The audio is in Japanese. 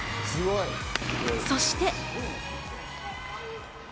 そして。